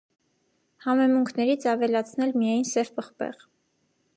Համեմունքներից ավելացնել միայն սև պղպեղ։